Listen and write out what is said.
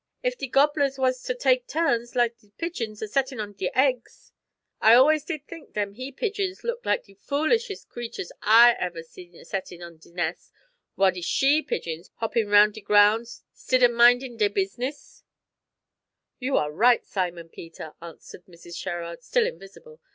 Ef de gobblers wuz ter take turns, like de pigeons, a settin' on de aigs " "I allus did think dem he pigeons look like de foolishest critters I ever see a settin' on de nes' while de she pigeons hoppin' roun' de groun' 'stid o' mindin' dey business " "You are right, Simon Peter," answered Mrs. Sherrard, still invisible.